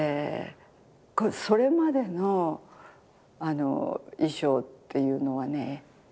それまでの衣装っていうのはね